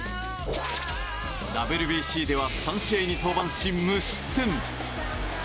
ＷＢＣでは３試合に登板し無失点。